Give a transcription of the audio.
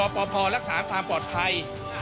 ปพรักษาความปลอดภัย